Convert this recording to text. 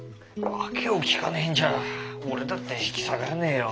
訳を聞かねえんじゃ俺だって引き下がれねえよ。